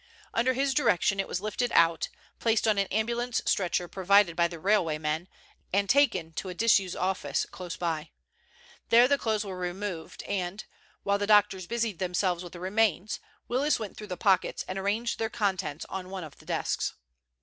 Under his direction it was lifted out, placed on an ambulance stretcher provided by the railwaymen, and taken to a disused office close by. There the clothes were removed and, while the doctors busied themselves with the remains, Willis went through the pockets and arranged their contents on one of the desks.